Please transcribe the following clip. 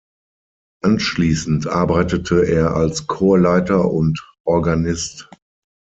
Anschließend arbeitete er als Chorleiter und Organist.